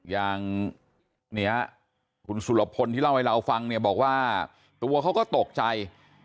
อย่างเนี่ยคุณสุรพลที่เล่าให้เราฟังเนี่ยบอกว่าตัวเขาก็ตกใจ